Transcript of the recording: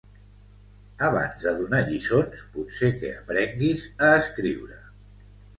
Abans de donar lliçons, potser que aprenguis a escriure